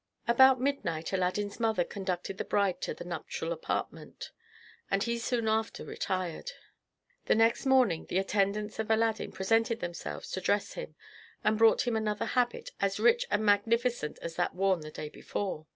About midnight Aladdin's mother conducted the bride to the nuptial apartment, and he soon after retired. The next morning the attendants of Aladdin presented themselves to dress him, and brought him another habit, as rich and magnificent as that worn the day before.